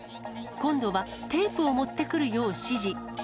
今度はテープを持ってくるよう指示。